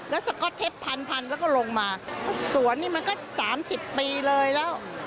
แล้วเขาก็เทปพันแล้วก็ลงมาสวนนี่มันก็สามสิบปีเลยแล้ว